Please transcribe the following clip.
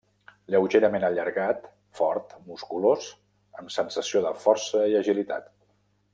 Lleugerament allargat, fort, musculós, amb sensació de força i agilitat.